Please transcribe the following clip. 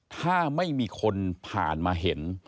ถ้าไม่มีคนผ่านมาเห็น